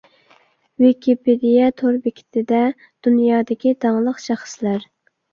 ۋىكىپېدىيە تور بېكىتىدە دۇنيادىكى داڭلىق شەخسلەر.